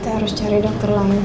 haris buat violasi keindahan indah